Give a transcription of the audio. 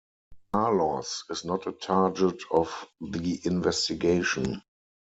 Carlos is not a target of the investigation.